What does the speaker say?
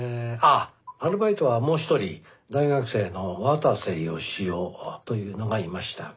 あアルバイトはもう一人大学生の渡瀬義雄というのがいました。